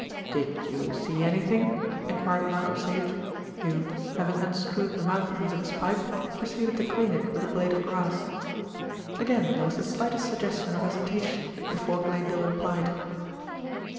"Did you see anything?" enquired Malcolm Sage, who, having unscrewed the mouthpiece of his pipe, proceeded to clean it with a blade of grass. Again there was the slightest suggestion of hesitation before Glanedale replied.